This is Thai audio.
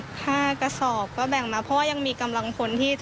กับเครื่องตรวจเลือดอะไรอย่างนี้